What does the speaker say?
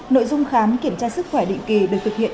nội dung khám kiểm tra sức khỏe định kỳ được thực hiện